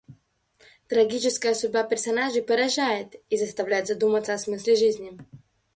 Трагическая судьба персонажей поражает и заставляет задуматься о смысле жизни.